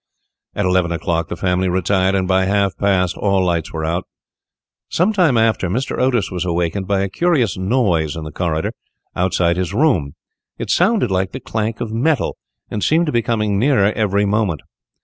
At eleven o'clock the family retired, and by half past all the lights were out. Some time after, Mr. Otis was awakened by a curious noise in the corridor, outside his room. It sounded like the clank of metal, and seemed to be coming nearer every moment.